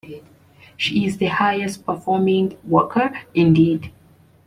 She is the highest performing worker indeed.